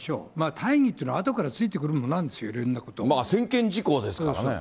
大儀というのはあとからついてくるものなんですよ、いろんなこと専権事項ですからね。